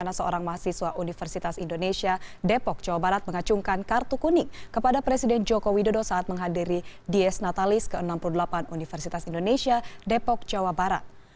karena seorang mahasiswa universitas indonesia depok jawa barat mengacungkan kartu kuning kepada presiden jokowi dodo saat menghadiri dies natalis ke enam puluh delapan universitas indonesia depok jawa barat